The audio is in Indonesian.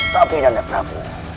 tapi nanda prabu